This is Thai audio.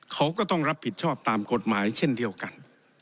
เขาก็ต้องรับผิดชอบตามกฎหมายเช่นเดียวกัน